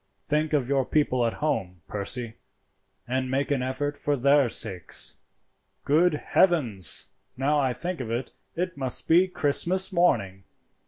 "Think of your people at home, Percy, and make an effort for their sakes. Good heavens! now I think of it, it must be Christmas morning.